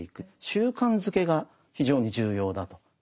習慣づけが非常に重要だと。